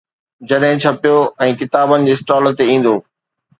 جڏهن ڇپبو ۽ ڪتابن جي اسٽالن تي ايندو.